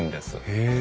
へえ。